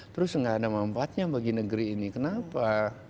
terus nggak ada manfaatnya bagi negeri ini kenapa